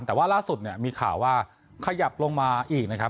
แต่ว่าล่าสุดเนี่ยมีข่าวว่าขยับลงมาอีกนะครับ